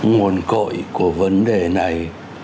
nguồn cội của vấn đề này